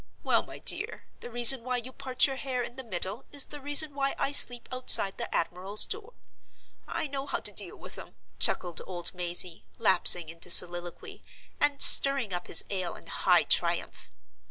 Well, my dear, the reason why you part your hair in the middle is the reason why I sleep outside the admiral's door. I know how to deal with 'em!" chuckled old Mazey, lapsing into soliloquy, and stirring up his ale in high triumph.